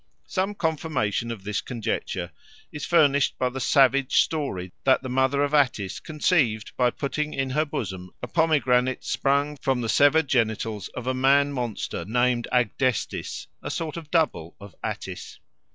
Some confirmation of this conjecture is furnished by the savage story that the mother of Attis conceived by putting in her bosom a pomegranate sprung from the severed genitals of a man monster named Agdestis, a sort of double of Attis.